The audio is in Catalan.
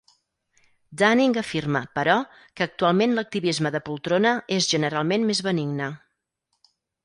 Dunning afirma, però, que actualment l'activisme de poltrona és generalment més benigne.